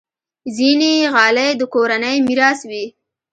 ځینې غالۍ د کورنۍ میراث وي.